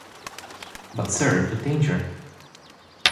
But, sir, the danger!